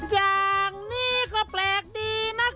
อย่างนี้ก็แปลกดีนะคะ